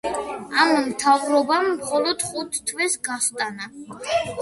ამ მთავრობამ მხოლოდ ხუთ თვეს გასტანა.